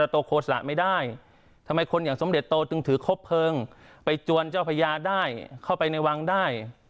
โตโฆษะไม่ได้ทำไมคนอย่างสมเด็จโตจึงถือครบเพลิงไปจวนเจ้าพญาได้เข้าไปในวังได้